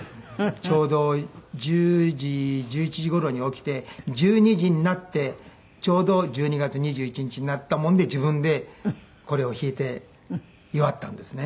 ちょうど１０時１１時頃に起きて１２時になってちょうど１２月２１日になったもんで自分でこれを弾いて祝ったんですね。